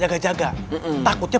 ada yang pasti